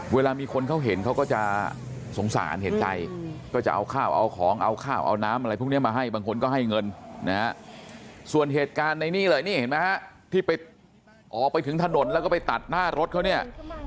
เวลามีคนเขาเห็นเขาก็จะสงสารเห็นใจก็จะเอาข้าวเอาของเอาข้าวเอาน้ำอะไรพวกนี้มาให้บางคนก็ให้เงินนะฮะส่วนเหตุการณ์ในนี้เลยนี่เห็นไหมฮะที่ไปออกไปถึงถนนแล้วก็ไปตัดหน้ารถเขาเนี่ย